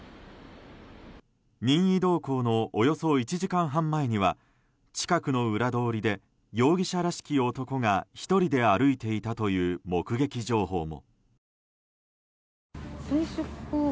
任意同行のおよそ１時間半前には近くの裏通りで容疑者らしき男が１人で歩いていたという目撃情報も。